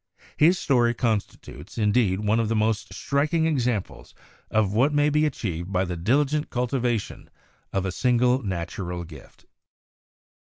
His story constitutes, indeed, one of the most striking ex amples of what may be achieved by the diligent cultivation of a single natural gift."